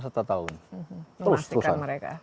satu tahun memastikan mereka